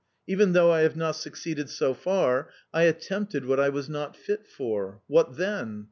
Even though I have not succeeded so far, I attempted what I was not fit for — what then